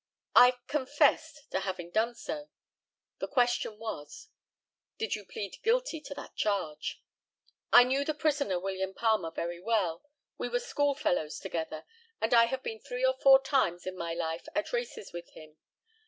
] I "confessed" to having done so. [The question was, "Did you plead guilty to that charge?"] I knew the prisoner William Palmer very well we were schoolfellows together; and I have been three or four times in my life at races with him.